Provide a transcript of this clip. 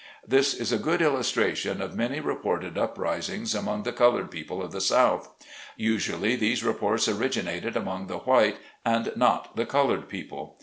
This is a good illustration of many reported upris ings among the colored people of the South. Usu ally these reports originated among the white and not the colored people.